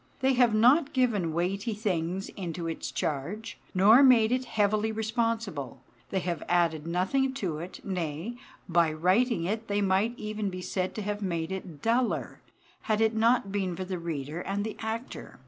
They have not given weighty things into its charge, nor made it heavily responsible. They have added nothing to it; nay, by writing it they might even be said to have made it duller, had it not been for the reader and the actor.